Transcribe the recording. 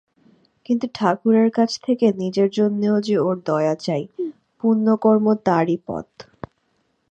কিন্তু ঠাকুরের কাছ থেকে নিজের জন্যেও যে ওর দয়া চাই, পুণ্যকর্ম তারই পথ।